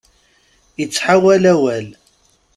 Ittḥawal awal.